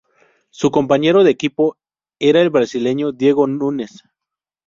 Su compañero de equipo era el brasileño Diego Nunes.